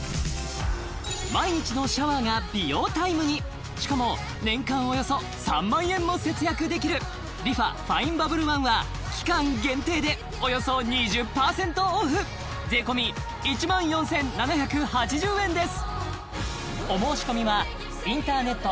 毎日のシャワーが美容タイムにしかも年間およそ３万円も節約できるＲｅＦａＦＩＮＥＢＵＢＢＬＥＯＮＥは期間限定でおよそ２０％オフ税込１４７８０円です